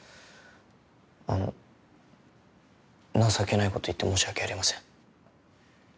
あの情けないこと言って申し訳ありません。